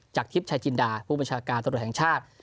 ทิพย์ชายจินดาผู้บัญชาการตำรวจแห่งชาติ